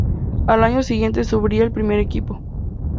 Al año siguiente subiría al primer equipo.